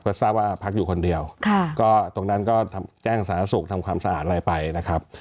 ก็ทราบว่าพักอยู่คนเดียวก็ตรงนั้นก็แจ้งสาธารณสุขทำความสะอาดอะไรไปนะครับ